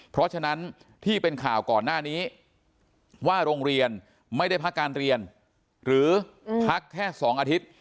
เพราะฉะนั้นที่เป็นข่าวก่อนหน้านี้ว่าโรงเรียนไม่ได้พักการเรียนหรือพักแค่๒อาทิตย์